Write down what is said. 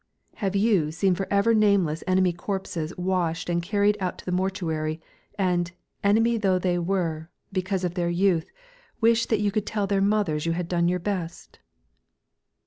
Have you seen forever nameless enemy corpses washed and carried out to the mortuary, and, enemy though they were, because of their youth, wished that you could tell their mothers you had done your best?